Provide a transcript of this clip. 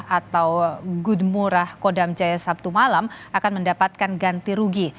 atau good murah kodam jaya sabtu malam akan mendapatkan ganti rugi